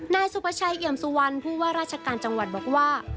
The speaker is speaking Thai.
นายสุประชัยเอี่ยมสุวรรณผู้ว่าราชการจังหวัดบอกว่า